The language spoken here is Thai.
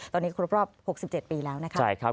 ตอนนี้ครบรอบ๖๗ปีแล้วนะคะ